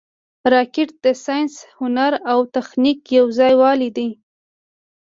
راکټ د ساینس، هنر او تخنیک یو ځای والې دی